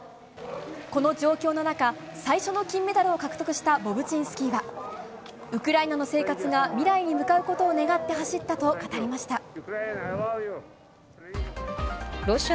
この状況の中最初の金メダルを獲得したボブチンスキーはウクライナの生活が未来に向かうことを願って走ったと語りました。